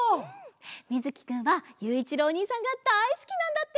みずきくんはゆういちろうおにいさんがだいすきなんだって！